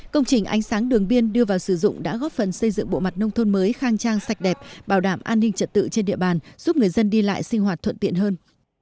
công trình ánh sáng đường biên đưa vào sử dụng đã góp phần xây dựng bộ mặt nông thôn mới khang trang sạch đẹp bảo đảm an ninh trật tự trên địa bàn giúp người dân đi lại sinh hoạt thuận tiện hơn